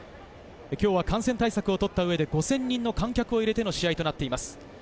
今日は感染対策をとった上で５０００人の観客を入れての試合となっています。